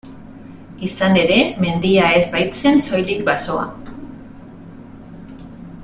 Izan ere, mendia ez baitzen soilik basoa.